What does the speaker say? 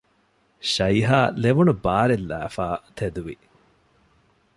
ޝައިހާ ލެވުނު ބާރެއްލައިފައި ތެދުވި